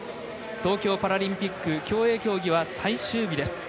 東京パラリンピック競泳競技は最終日です。